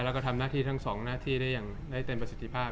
แล้วก็ทำหน้าที่ทั้งสองหน้าที่ได้อย่างได้เต็มประสิทธิภาพ